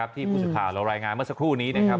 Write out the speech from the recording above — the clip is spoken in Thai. ที่ผู้สินค้าเรารายงานเมื่อสักครู่นี้นะครับ